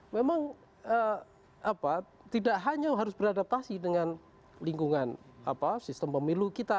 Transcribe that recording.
memang tidak hanya harus beradaptasi dengan lingkungan sistem pemilu kita